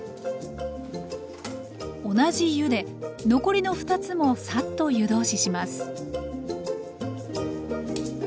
同じ湯で残りの２つもサッと湯通しします